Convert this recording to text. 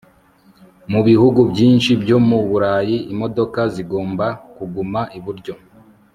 mu bihugu byinshi byo mu burayi, imodoka zigomba kuguma iburyo